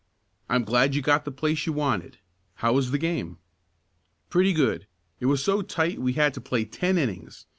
I'm glad you got the place you wanted. How was the game?" "Pretty good. It was so tight we had to play ten innings.